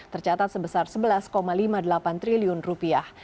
tercatat sebesar sebelas lima puluh delapan triliun rupiah